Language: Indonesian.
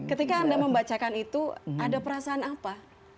ketika anda membacakan itu ada perasaan apa